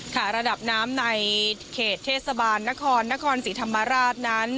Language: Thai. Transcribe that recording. ระดับน้ำในเขตเทศบาลนครนครศรีธรรมราชนั้น